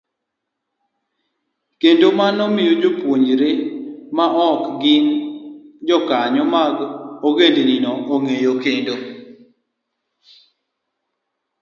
kendo mano miyo jopuonjre maok gin jokanyo mag ogendnigo ong'eyo kendo